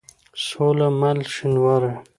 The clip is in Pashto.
سوله مل شينوارى